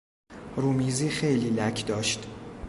رومیزی خیلی لک داشت.